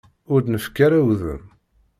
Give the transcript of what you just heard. Ur d-nefki ara udem.